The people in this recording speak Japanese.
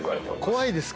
怖いです